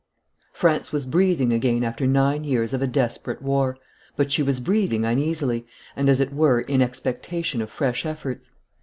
France was breathing again after nine years of a desperate war, but she was breathing uneasily, and as it were in expectation of fresh efforts.